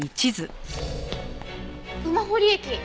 馬堀駅。